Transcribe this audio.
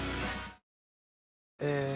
え